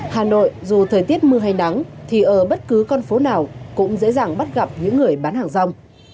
hà nội dù thời tiết mưa hay nắng thì ở bất cứ con phố nào cũng dễ dàng bắt gặp những người bán hàng rong